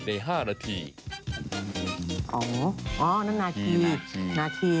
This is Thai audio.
อ๋อนั่นนาคีนาคีนาคี